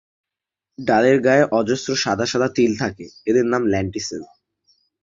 ডালের গায়ে অজস্র সাদা সাদা তিল থাকে, এদের নাম ল্যান্টিসেল।